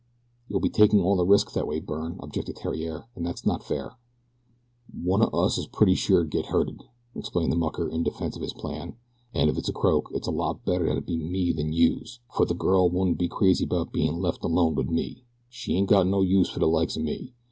"You'll be taking all the risk that way, Byrne," objected Theriere, "and that's not fair." "One o' us is pretty sure to get hurted," explained the mucker in defense of his plan, "an, if it's a croak it's a lot better dat it be me than youse, fer the girl wouldn't be crazy about bein' lef' alone wid me she ain't got no use fer the likes o' me.